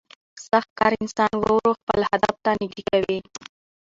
سخت کار انسان ورو ورو خپل هدف ته نږدې کوي